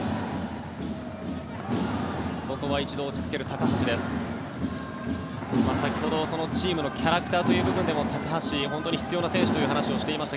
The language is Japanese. ここは一度落ち着ける高橋です。